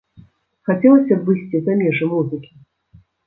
Хацелася б выйсці за межы музыкі?